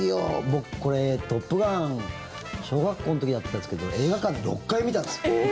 僕、これ、「トップガン」小学校の時だったんですけど映画館で６回見たんです。